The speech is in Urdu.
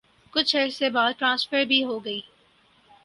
کچھ عرصے بعد ٹرانسفر بھی ہو گئی۔